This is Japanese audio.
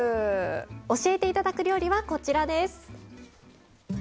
教えて頂く料理はこちらです。